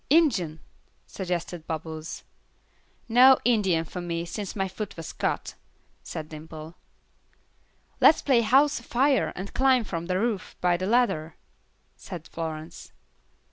"Injun," suggested Bubbles. "No Indian for me, since my foot was cut," said Dimple. "Let's play house afire and climb from the roof by the ladder," said Florence.